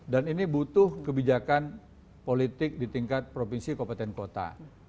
dan ini butuh kebijakan politik di tingkat provinsi kompeten kota